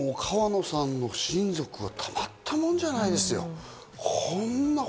川野さんの親族はたまったもんじゃないですよ。